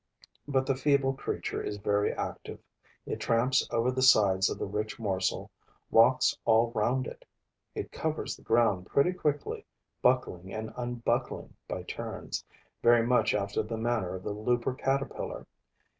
But the feeble creature is very active: it tramps over the sides of the rich morsel, walks all round it. It covers the ground pretty quickly, buckling and unbuckling by turns, very much after the manner of the looper caterpillar.